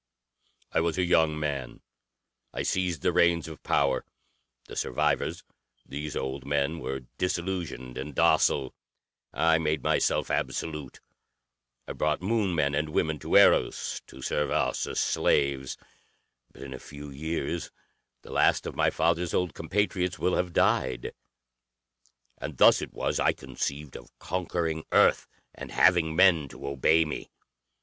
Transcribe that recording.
"I was a young man. I seized the reins of power. The survivors these old men were disillusioned and docile. I made myself absolute. I brought Moon men and women to Eros to serve us as slaves. But in a few years the last of my father's old compatriots will have died, and thus it was I conceived of conquering Earth and having men to obey me.